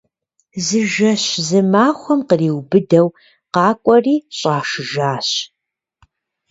Зы жэщ зы махуэм къриубыдэу къакӏуэри щӏашыжащ.